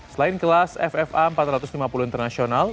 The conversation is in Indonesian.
selain kelas ffa empat ratus lima puluh internasional